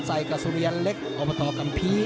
ใส่กระสุนิยันเล็กเอามาต่อกับพี